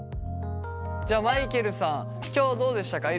じゃあマイケルさん。今日はどうでしたか？